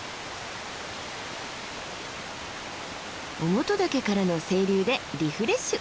於茂登岳からの清流でリフレッシュ。